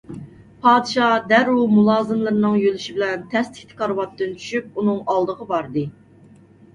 پادىشاھ دەررۇ مۇلازىملىرىنىڭ يۆلىشى بىلەن تەسلىكتە كارىۋاتتىن چۈشۈپ ئۇنىڭ ئالدىغا باردى.